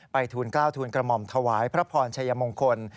ทูลกล้าวทูลกระหม่อมถวายพระพรชัยมงคล